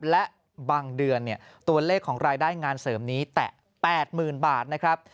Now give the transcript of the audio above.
และบางเดือนตัวเลขของรายได้งานเสริมนี้แตะ๘๐๐๐บาทนะครับ